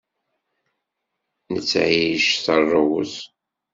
Nettεic s rruẓ.